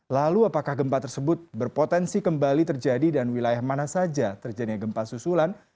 lalu apakah gempa tersebut berpotensi kembali terjadi dan wilayah mana saja terjadinya gempa susulan